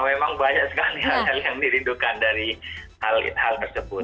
memang banyak sekali hal hal yang dirindukan dari hal tersebut